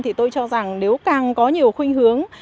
thì tôi cho rằng nếu càng có nhiều khuyên hướng